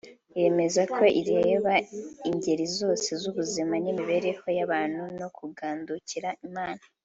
yemeza ko ireba ingeri zose z’ubuzima n’imibereho y’abantu no kugandukira Imana